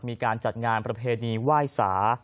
มีการจัดงานประเพณีไหว้สา